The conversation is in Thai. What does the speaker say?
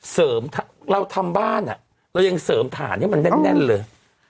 เราทำบ้านอ่ะเรายังเสริมฐานให้มันแน่นเลย